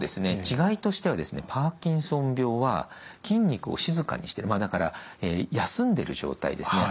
違いとしてはパーキンソン病は筋肉を静かにしてるまあだから休んでる状態ですね